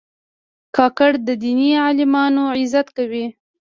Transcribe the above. کاکړ د دیني عالمانو عزت کوي.